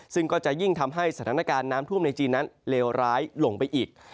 ซึ่งก็จะยิ่งทำให้สถานการณ์น้ำท่วมในจีนนั้นเลวร้ายลงไปอีก